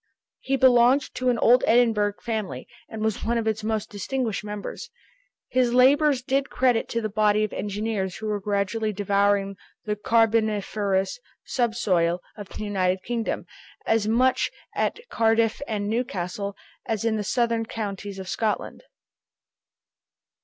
He belonged to an old Edinburgh family, and was one of its most distinguished members. His labors did credit to the body of engineers who are gradually devouring the carboniferous subsoil of the United Kingdom, as much at Cardiff and Newcastle, as in the southern counties of Scotland.